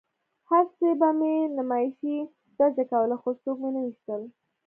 هسې به مې نمایشي ډزې کولې خو څوک مې نه ویشتل